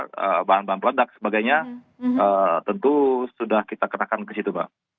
makan bahan bahan produk sebagainya tentu sudah kita ketahkan ke situ mbak